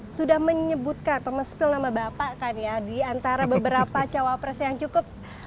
sudah menyebutkan atau mespil nama bapak kan ya diantara beberapa cawapres yang cukup